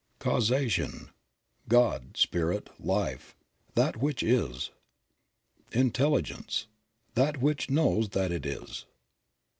Causation. — God, Spirit, Life, That which is. Intelligence. — That which knows that it is.